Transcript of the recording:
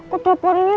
ketepan itu aku